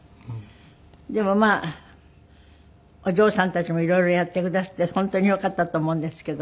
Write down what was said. でもまあお嬢さんたちも色々やってくだすって本当によかったと思うんですけど。